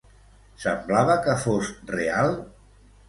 Semblava que fos real?